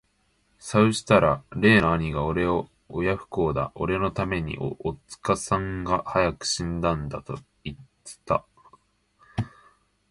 さうしたら例の兄がおれを親不孝だ、おれの為めに、おつかさんが早く死んだんだと云つた。